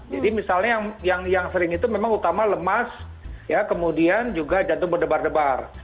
jadi misalnya yang sering itu memang utama lemas ya kemudian juga jantung berdebar debar